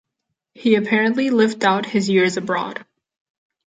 He apparently lived out his years abroad.